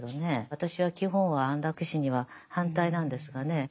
私は基本は安楽死には反対なんですがね。